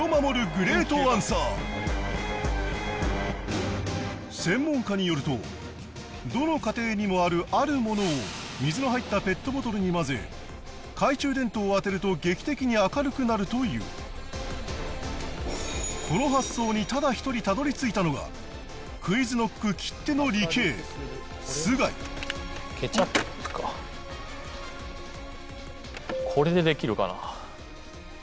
グレートアンサー専門家によるとどの家庭にもある「あるもの」を水の入ったペットボトルに混ぜ懐中電灯を当てると劇的に明るくなるというこの発想にただ一人たどりついたのがＱｕｉｚＫｎｏｃｋきっての理系・須貝ケチャップかこれでできるかな？